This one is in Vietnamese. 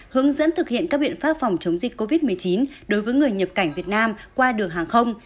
hướng dẫn thực hiện các biện pháp phòng chống dịch covid một mươi chín đối với người nhập cảnh việt nam qua đường hàng không